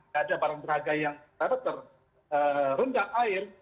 tidak ada barang berharga yang terendam air